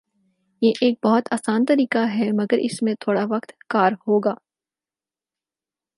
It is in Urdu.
یہ ایک بہت آسان طریقہ ہے مگر اس میں تھوڑا وقت کار ہوگا